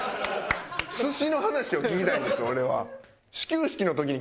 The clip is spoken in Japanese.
寿司の話を聞きたいんです俺は。